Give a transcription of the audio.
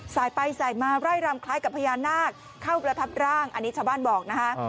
สายไปสายมาไล่รำคล้ายกับพญานาคเข้าประทับร่างอันนี้ชาวบ้านบอกนะคะ